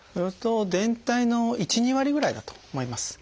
全体の１２割ぐらいだと思います。